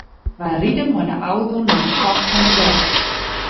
Wy ride mei de auto nei de top fan de berch.